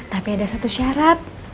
tapi ada satu syarat